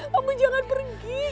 kamu jangan pergi